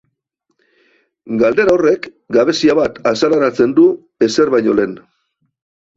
Galdera horrek gabezia bat azaleratzen du, ezer baino lehen.